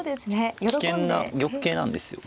危険な玉形なんですよ。